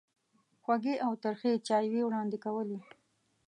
خوږې او ترخې چایوې وړاندې کولې.